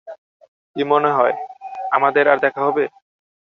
কি মনে হয় আমাদের আর দেখা হবে?